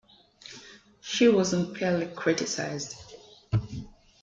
She was unfairly criticised